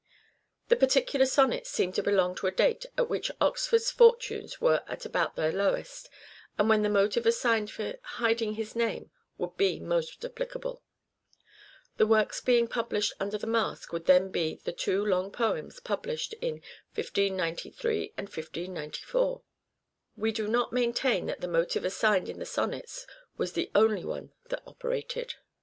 The particular sonnets seem to belong to a date at which Oxford's fortunes were at about their lowest and when the motive assigned for hiding his name would be most applicable ; the works being published under the mask would then be the two long poems published in 1593 and 1594. We do not maintain that the motive assigned in the social con sonnets was the only one that operated.